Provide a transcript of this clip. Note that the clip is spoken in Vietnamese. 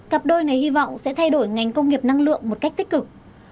cặp đôi này hy vọng sẽ thay đổi ngành công nghiệp năng lượng một cách tích cực